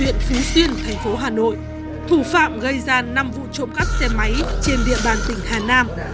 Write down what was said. huyện phú xuyên thành phố hà nội thủ phạm gây ra năm vụ trộm cắp xe máy trên địa bàn tỉnh hà nam